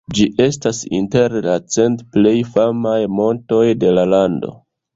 Ĝi estas inter la cent plej famaj montoj de la lando.